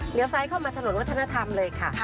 เดี๋ยวซ้ายเข้ามาถนนวัฒนธรรมเลยค่ะ